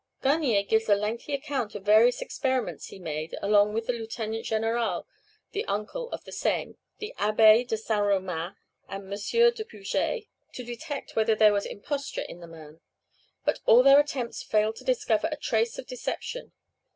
Garnier gives a lengthy account of various experiments he made along with the Lieutenant Général, the uncle of the same, the Abbé de St. Remain, and M. de Puget, to detect whether there was imposture in the man. But all their attempts failed to discover a trace of deception.